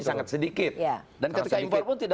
sangat sedikit dan ketika impor pun tidak